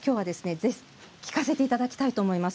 ぜひ聞かせていただきたいと思います。